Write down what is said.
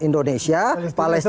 indonesia satu grup nih